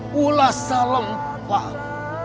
kulah salem pak